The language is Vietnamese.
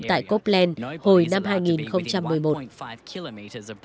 tại copeland hồi năm hai nghìn một mươi một